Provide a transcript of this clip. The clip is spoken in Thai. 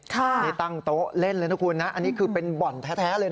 นี่ตั้งโต๊ะเล่นเลยนะคุณนะอันนี้คือเป็นบ่อนแท้เลยนะ